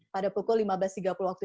pada pukul lima belas tiga puluh waktu